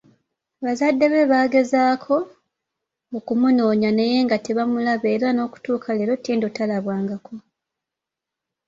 Bazadde be baagezaako okumunoonya naye nga tebamulaba era n'okutuuka leero Ttendo talabwangako.